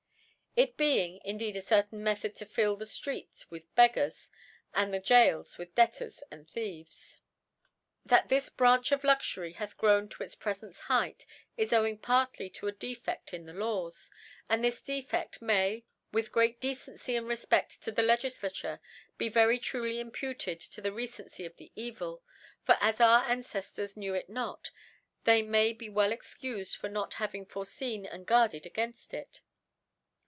It being indeed a certain Method to fill the Streets with Beggars, and the Goals with Debtors and Thieves. That this Branch of Luxury hath grown to its preient Height, is owing partly to a Defefl in the Laws i and this DefeA may, with j;reat Decency and Refpeft to the Le giOature, be rery truly imputed to the Re cency of the Evil ; for as our Anceftors knew it not, they may be well excu(ed for not having forefeet) and guarded againft it.